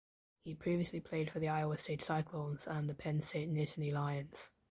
He previously played for the Iowa State Cyclones and the Penn State Nittany Lions.